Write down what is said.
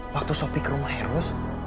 waktu sopi ke rumah eros